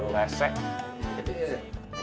wah lo resek